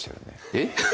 えっ？